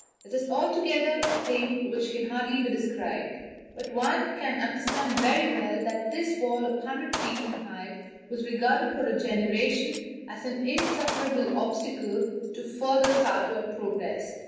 It is altogether a thing which can hardly be described; but one can understand very well that this wall of 100 feet in height was regarded for a generation as an insuperable obstacle to further southward progress.